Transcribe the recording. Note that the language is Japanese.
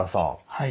はい。